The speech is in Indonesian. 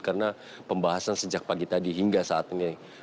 karena pembahasan sejak pagi tadi hingga saat ini